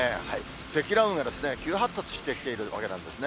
積乱雲が急発達してきているわけなんですね。